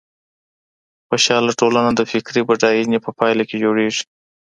خوشحاله ټولنه د فکري بډاينې په پايله کي جوړېږي.